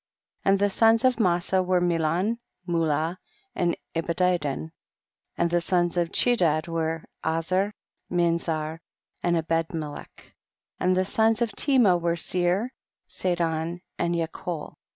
25. And the sons of Masa were Melon, Mula and Ebidadon ; and the sons of Chadad were Azur, Minzar and Ebedmelech ; and the sons of Tema were Seir, Sadon and Yakol.